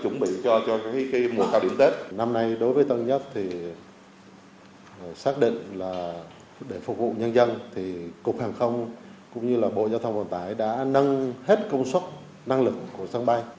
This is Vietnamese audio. năm nay đối với tân sơn nhất thì xác định là để phục vụ nhân dân thì cục hàng không cũng như là bộ giao thông vận tải đã nâng hết công suất năng lực của sân bay